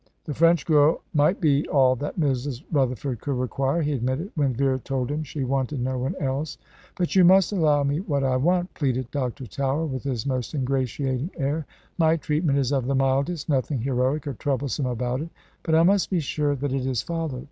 The French girl might be all that Mrs. Rutherford could require, he admitted, when Vera told him she wanted no one else. "But you must allow me what I want," pleaded Dr. Tower with his most ingratiating air. "My treatment is of the mildest nothing heroic or troublesome about it but I must be sure that it is followed.